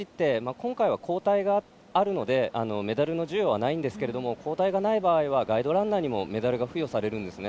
今回は交代があるのでメダルの授与はないんですけれども交代がない場合はガイドランナーにもメダルが付与されるんですね。